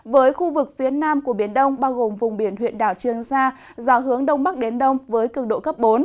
với khu vực phía nam của biển đông bao gồm vùng biển huyện đảo trương sa gió hướng đông bắc đến đông với cường độ cấp bốn